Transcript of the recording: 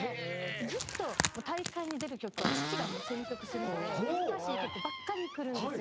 ずっと大会に出る曲は父がもう選曲するので難しい曲ばっかりくるんですよ。